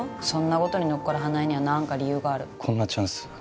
そんなことに乗っかる花枝には何か理由があるこんなチャンス